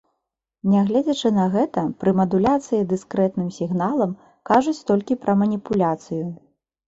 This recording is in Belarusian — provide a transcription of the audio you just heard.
Нягледзячы на гэта, пры мадуляцыі дыскрэтным сігналам кажуць толькі пра маніпуляцыю.